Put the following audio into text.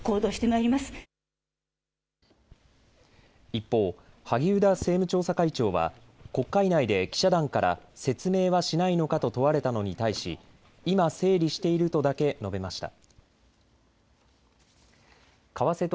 一方、萩生田政務調査会長は国会内で記者団から説明はしないのかと問われたのに対し今、整理しているとだけ述べました。